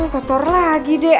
kotor lagi deh